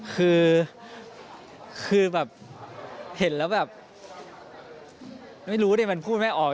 คือแบบเห็นแล้วแบบไม่รู้ดิมันพูดไม่ออก